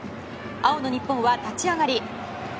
青の日本は立ち上がり